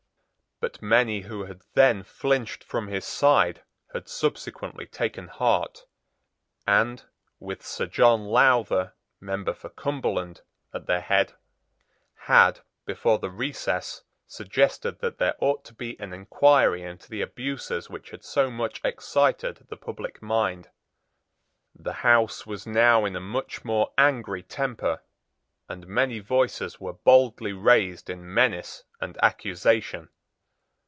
But many who had then flinched from his side had subsequently taken heart, and, with Sir John Lowther, member for Cumberland, at their head, had, before the recess, suggested that there ought to be an enquiry into the abuses which had so much excited the public mind. The House was now in a much more angry temper; and many voices were boldly raised in menace and accusation.